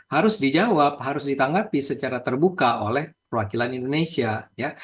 harus dijawab harus ditanggapi secara terbuka oleh perwakilan indonesia ya